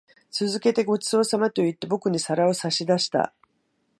続けて、ご馳走様と言って、僕に皿を差し出した。